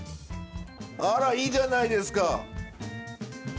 あらいいじゃないですか！